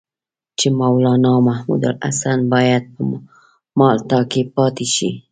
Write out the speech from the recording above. چې مولنا محمودالحسن باید په مالټا کې پاتې شي.